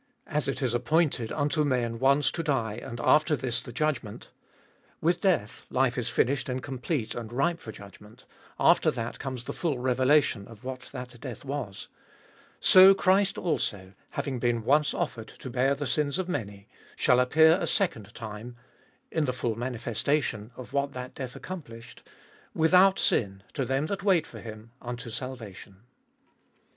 As it is appointed unto men once to die, and after this the judgment— with death, life is finished and complete, and ripe for judgment ; after that comes the full revelation of what that death was — so Christ also, having been once offered to bear the sins of many, shall appear a second time — in the full manifestation of what that death accomplished — without sin, to them that wait for Him, unto salvation.